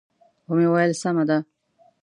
و مې ویل: سمه ده.